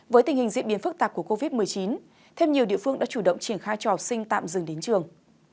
với tình hình diễn biến phức tạp của covid một mươi chín thêm nhiều địa phương đã chủ động triển khai cho học sinh tạm dừng đến trường